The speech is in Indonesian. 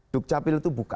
dukcapil itu buka